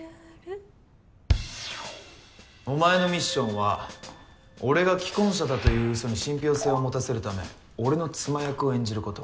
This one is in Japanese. お前のミッションは俺が既婚者だといううそに信ぴょう性を持たせるため俺の妻役を演じること。